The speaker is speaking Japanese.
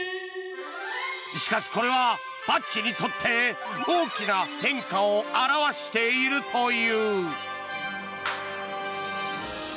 しかし、これはパッチにとって大きな変化を表しているという。